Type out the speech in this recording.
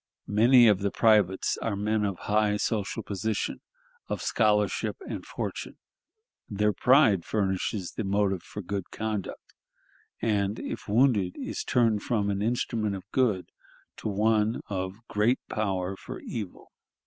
Many of the privates are men of high social position, of scholarship and fortune. Their pride furnishes the motive for good conduct, and, if wounded, is turned from an instrument of good to one of great power for evil...."